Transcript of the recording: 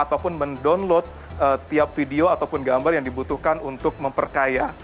ataupun mendownload tiap video ataupun gambar yang dibutuhkan untuk memperkaya